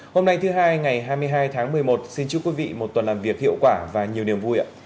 hôm nay thứ hai ngày hai mươi hai tháng một mươi một xin chúc quý vị một tuần làm việc hiệu quả và nhiều niềm vui ạ